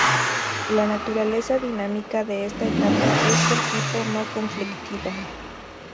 La naturaleza dinámica de esta etapa es del tipo no conflictiva.